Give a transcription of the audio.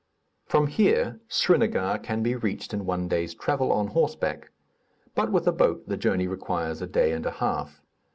From here Srinagar can be reached in one day's travel on horseback; but with a boat the journey requires a day and a half.